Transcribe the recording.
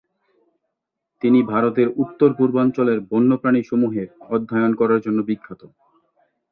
তিনি ভারতের উত্তর পূর্বাঞ্চলের বন্যপ্রাণী সমূহের অধ্যয়ন করার জন্য বিখ্যাত।